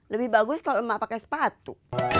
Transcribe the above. lebih bagus kalau memang pakai sepatu